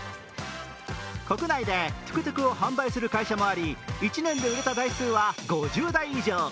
国内でトゥクトゥクを販売する会社もあり、１年で売れた台数は５０台以上。